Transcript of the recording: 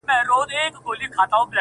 • تا ویل د بنده ګانو نګهبان یم -